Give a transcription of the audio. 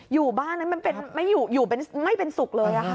อยู่บ้านไม่เป็นสุขเลย